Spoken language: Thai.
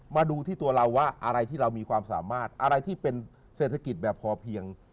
มาดูที่ตัวเราว่าอะไรที่เรามีความสามารถอะไรที่เป็นเศรษฐกิจแบบพอเพียง